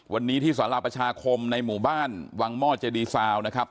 วันนี้ที่สารประชาคมในหมู่บ้านวังหม้อเจดีซาวนะครับ